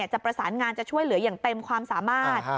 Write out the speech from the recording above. จะประสานงานจะช่วยเหลืออย่างเต็มความสามารถ